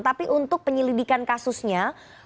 tapi untuk penyelidikan kasusnya